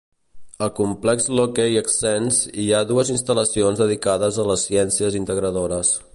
Al complex Lokey Science hi ha dues instal·lacions dedicades a les ciències integradores.